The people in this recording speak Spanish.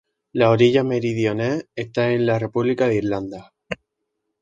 La orilla meridional está en la República de Irlanda.